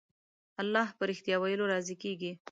الله په رښتيا ويلو راضي کېږي.